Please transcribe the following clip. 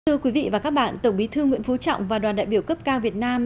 thưa quý vị và các bạn tổng bí thư nguyễn phú trọng và đoàn đại biểu cấp cao việt nam